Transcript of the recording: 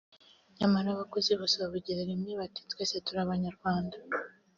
nyamara abakozi bose bavugira rimwe bati “twese turi Abanyarwanda